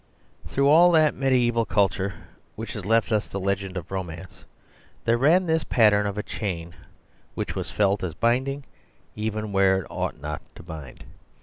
Through all that mediaeval culture, which has left us the legend of romance, there ran this pattern of a chain, which was felt as binding even where it ought not to bind.